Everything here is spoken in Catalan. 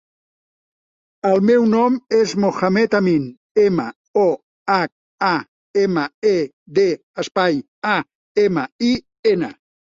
El meu nom és Mohamed amin: ema, o, hac, a, ema, e, de, espai, a, ema, i, ena.